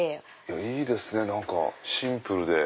いいですね何かシンプルで。